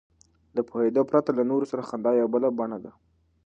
له پوهېدو پرته له نورو سره خندا یوه بله بڼه ده.